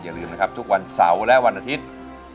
อย่าลืมนะครับทุกวันเสาร์และวันอาทิตย์